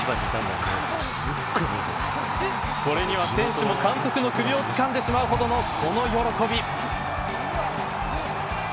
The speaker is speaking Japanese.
これには選手も監督の首をつかんでしまうほどのこの喜び。